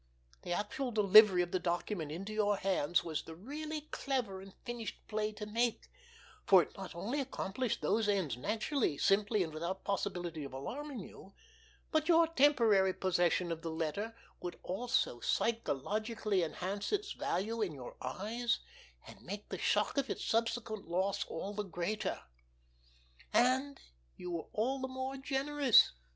The actual delivery of the document into your hands was the really clever and finished play to make, for it not only accomplished those ends naturally, simply, and without possibility of alarming you, but your temporary possession of the letter would also psychologically enhance its value in your eyes and make the shock of its subsequent loss all the greater—and you all the more generous!